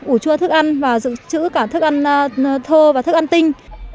ủ chua thức ăn và dự trữ cả thức ăn thô và thức ăn tinh